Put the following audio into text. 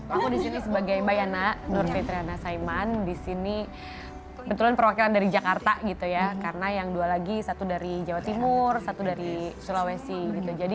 aku disini sebagai mbak yana nur fitriana saiman disini betulan perwakilan dari jakarta gitu ya karena yang dua lagi satu dari jawa timur satu dari sulawesi gitu jadi